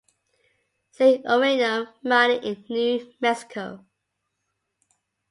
See Uranium mining in New Mexico.